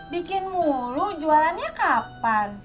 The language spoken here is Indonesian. bikin mulu jualannya kapan